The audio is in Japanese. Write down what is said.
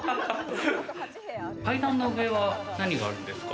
階段の上は何があるんですか？